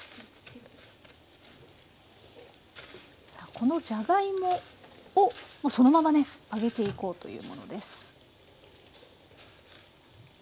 このじゃがいもをもうそのままね揚げていこうというものです。